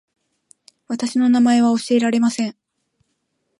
私の名前は教えられません